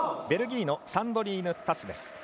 ベルギーのサンドリーヌ・タス。